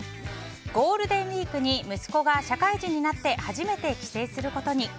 ゴールデンウィークに息子が社会人になって初めて帰省することに。